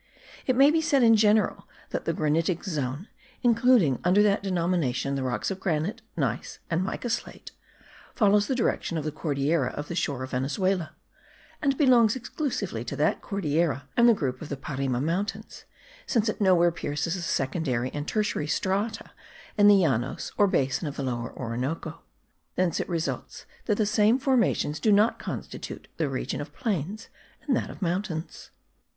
It may be said in general that the granitic zone (including under that denomination the rocks of granite, gneiss and mica slate) follows the direction of the Cordillera of the shore of Venezuela, and belongs exclusively to that Cordillera and the group of the Parime mountains; since it nowhere pierces the secondary and tertiary strata in the Llanos or basin of the Lower Orinoco. Thence it results that the same formations do not constitute the region of plains and that of mountains.